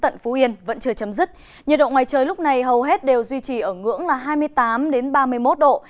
nhiệt độ ngoài trời lúc này hầu hết đều duy trì ở ngưỡng là hai mươi tám ba mươi một độ